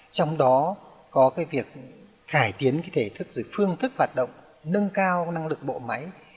trong đó có việc khải tiến thể thức phương thức hoạt động nâng cao năng lực bộ máy